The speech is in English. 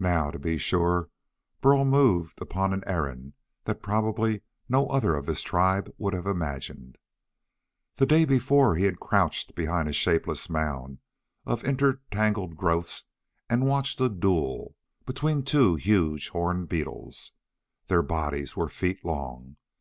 Now, to be sure, Burl moved upon an errand that probably no other of his tribe would have imagined. The day before, he had crouched behind a shapeless mound of inter tangled growths and watched a duel between two huge horned beetles. Their bodies were feet long.